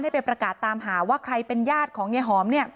ไปประกาศตามหาว่าใครเป็นญาติของยายหอม